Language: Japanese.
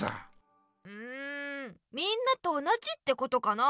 んみんなと同じってことかな。